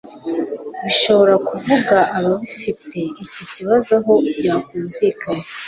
bishobora kuvuga abafite iki kibazo aho byakumvikana